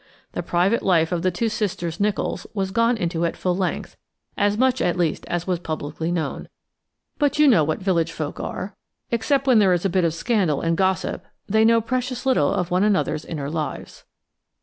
The private life of the two sisters Nicholls was gone into at full length, as much, at least, as was publicly known. But you know what village folk are; except when there is a bit of scandal and gossip, they know precious little of one another's inner lives.